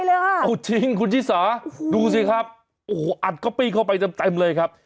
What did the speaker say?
เอาจริงคุณชิสาดูสิครับโอ้โหอัดก๊อปปี้เข้าไปเต็มเลยครับ